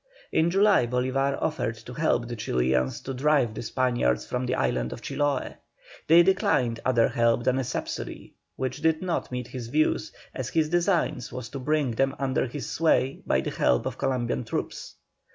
In July Bolívar offered to help the Chilians to drive the Spaniards from the island of Chiloe. They declined other help than a subsidy, which did not meet his views, as his design was to bring them under his sway by the help of Columbian troops.